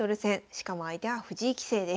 しかも相手は藤井棋聖です。